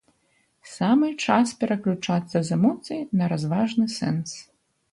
Самы час пераключацца з эмоцый на разважны сэнс.